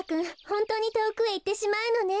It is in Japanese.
ホントにとおくへいってしまうのね。